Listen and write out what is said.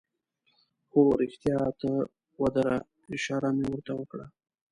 هو، رښتیا ته ودره، اشاره مې ور ته وکړه.